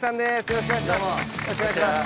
よろしくお願いします。